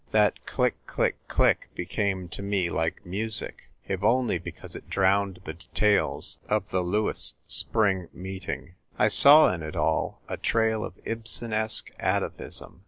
That click, click, click became to me like music — if only because it drowned the details of the Lewes Spring Meeting. I saw in it all a trail of Ibsenesque atavism.